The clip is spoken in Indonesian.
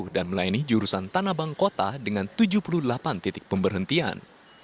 dan melayani jurusan tanabang kota dengan tujuh puluh delapan titik pemberhentian